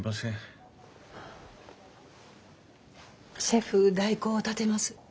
シェフ代行を立てます。